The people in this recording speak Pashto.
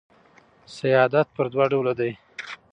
سیادت پر دوه ډوله دئ.